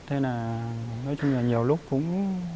thế là nói chung là nhiều lúc cũng